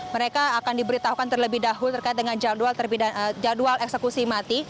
mereka akan diberitahukan terlebih dahulu terkait dengan jadwal eksekusi mati